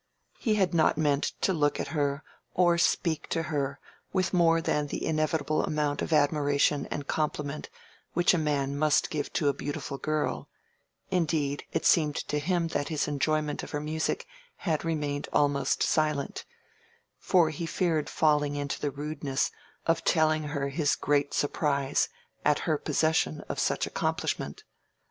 He had not meant to look at her or speak to her with more than the inevitable amount of admiration and compliment which a man must give to a beautiful girl; indeed, it seemed to him that his enjoyment of her music had remained almost silent, for he feared falling into the rudeness of telling her his great surprise at her possession of such accomplishment.